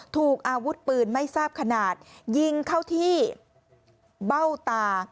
ถูกอาวุธปืนไม่ทราบขนาดยิงเข้าที่เบ้าตา